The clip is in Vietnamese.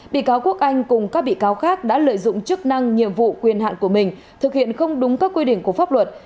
bị cáo quốc anh cùng các bị cáo khác đã lợi dụng chức năng nhiệm vụ quyền hạn của mình thực hiện không đúng các quy định của pháp luật